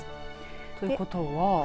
ということは。